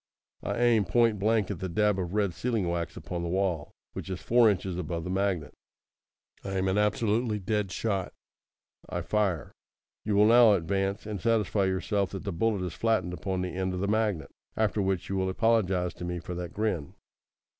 I aim point blank at the dab of red sealing wax upon the wall, which is four inches above the magnet. I am an absolutely dead shot. I fire. You will now advance, and satisfy yourself that the bullet is flattened upon the end of the magnet, after which you will apologise to me for that grin."